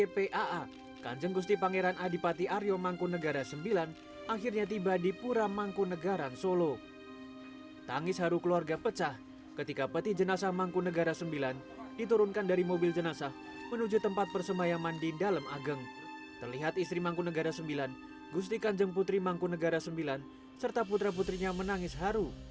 putrinya menangis haru